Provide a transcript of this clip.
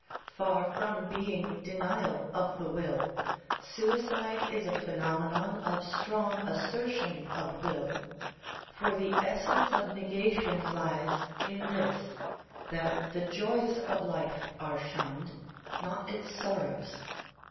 Far from being denial of the will, suicide is a phenomenon of strong assertion of will; for the essence of negation lies in this, that the joys of life are shunned, not its sorrows.